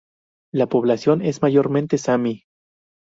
La población es mayormente sami.